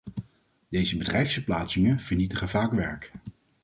Deze bedrijfsverplaatsingen vernietigen vaak werk.